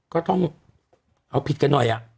ก็ต้องเอาผิดกันหน่อย